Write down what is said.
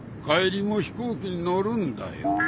帰りも飛行機に乗るんだよ。